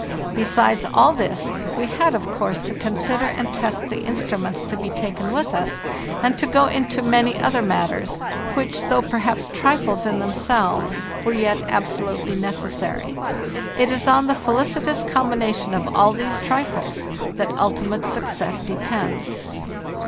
Besides all this, we had, of course, to consider and test the instruments to be taken with us, and to go into many other matters, which, though perhaps trifles in themselves, were yet absolutely neces sary. It is on the felicitous combination of all these trifles that ultimate success depends.